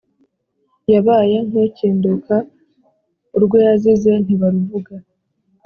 yabaye nk'ukinduka, urwo yazize ntibaruvuga